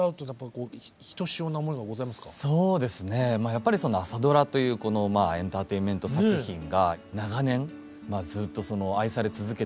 やっぱりその朝ドラというこのエンターテインメント作品が長年ずっと愛され続けているじゃないですか。